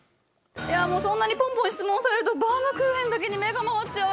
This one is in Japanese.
いやもうそんなにポンポン質問されるとバウムクーヘンだけに目が回っちゃうよ。